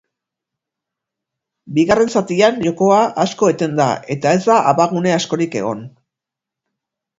Bigarren zatian jokoa asko eten da, eta ez da abagune askorik egon.